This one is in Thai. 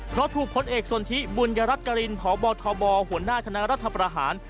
เพราะถูกผลเอกสนทิบุญยรัฐกรินพบทบหัวหน้าคณะรัฐประหาร